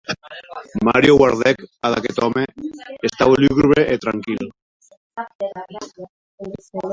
Mario guardèc ad aqueth òme; estaue lugubre e tranquil.